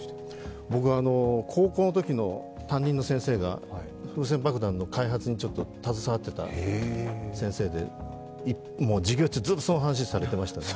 僕は、高校のときの担任の先生が風船爆弾の開発にちょっと携わっていた先生で、授業中、ずっとその話をされていました。